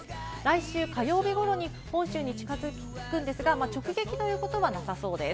来週火曜日頃に本州に近づくんですが、直撃ということはなさそうです。